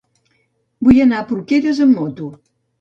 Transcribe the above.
Vull anar a Porqueres amb moto.